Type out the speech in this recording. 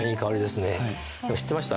でも知ってました？